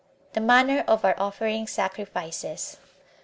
The Manner Of Our Offering Sacrifices.